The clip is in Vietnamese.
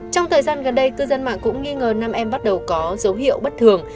trong thời gian gần đây cư dân mạng cũng nghi ngờ nam em bắt đầu có dấu hiệu bất thường